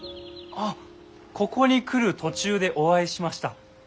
あっここに来る途中でお会いしました。